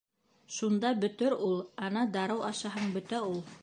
Шунда бөтөр ул. Ана, дарыу ашаһаң бөтә ул...